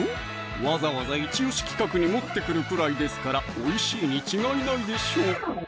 わざわざイチオシ企画に持ってくるくらいですからおいしいに違いないでしょう